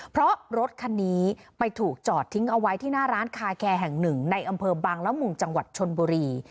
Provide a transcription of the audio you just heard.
เพราะรถคันนี้ไปถูกจอดทิ้งเอาไว้ที่หน้าร้านคาแคร์แห่งหนึ่งในอำเภอบังละมุงจังหวัดชนบุรี